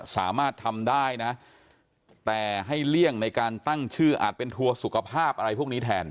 สามารถทำได้นะแต่ให้เลี่ยงในการตั้งชื่ออาจเป็นทัวร์สุขภาพอะไรพวกนี้แทน